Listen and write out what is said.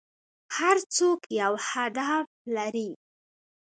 هر څوک یو هدف لري .